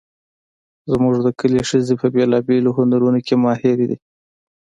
زموږ د کلي ښځې په بیلابیلو هنرونو کې ماهرې دي